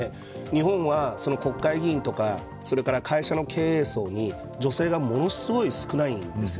日本は、国会議員とかそれから、会社の経営層に女性がものすごい少ないんです。